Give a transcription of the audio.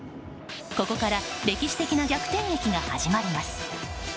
ここから歴史的な逆転劇が始まります。